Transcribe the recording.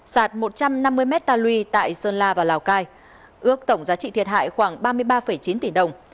sạt một trăm năm mươi m ta lui tại sơn la và lào cai ước tổng giá trị thiệt hại khoảng ba mươi ba chín tỷ đồng